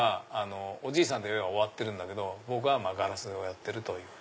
おじいさんで絵は終わってるけど僕はガラスをやってるという。